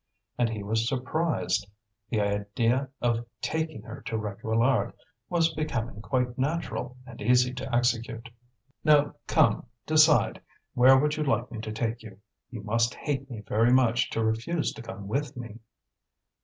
And he was surprised; the idea of taking her to Réquillart was becoming quite natural and easy to execute. "Now, come, decide; where would you like me to take you? You must hate me very much to refuse to come with me!"